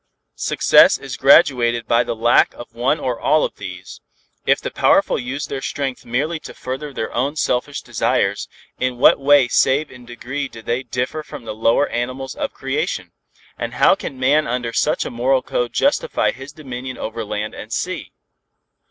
Success is graduated by the lack of one or all of these. If the powerful use their strength merely to further their own selfish desires, in what way save in degree do they differ from the lower animals of creation? And how can man under such a moral code justify his dominion over land and sea?